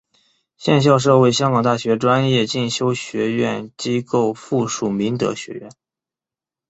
现校舍为香港大学专业进修学院机构附属明德学院。